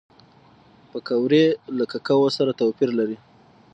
پکورې له کوکو سره توپیر لري